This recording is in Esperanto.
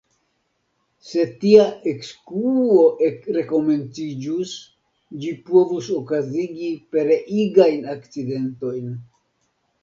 Se tia ekskuo rekomenciĝus, ĝi povus okazigi pereigajn akcidentojn.